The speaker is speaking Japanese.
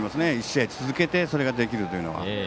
１試合続けてそれをできるというのは。